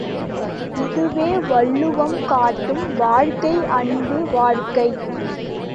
இதுவே வள்ளுவம் காட்டும் வாழ்க்கை அன்பு வாழ்க்கை!